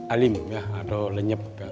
alim atau lenyap